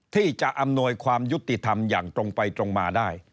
ที่จะอำนวยความยุติธรรมอย่างตรงไปตรงมาได้